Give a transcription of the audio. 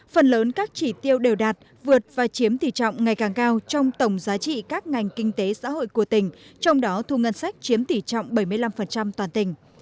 phần lớn các chỉ tiêu đều đạt vượt và chiếm tỷ trọng ngày càng cao trong tổng giá trị các ngành kinh tế xã hội của tỉnh trong đó thu ngân sách chiếm tỷ trọng bảy mươi năm toàn tỉnh